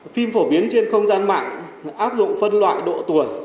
phim phổ biến trên không gian mạng áp dụng phân loại độ tuổi